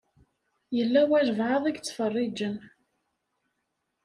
Yella walebɛaḍ i yettfeṛṛiǧen.